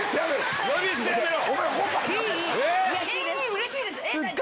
うれしいです！